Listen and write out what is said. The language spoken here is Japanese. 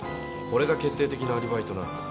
これが決定的なアリバイとなった。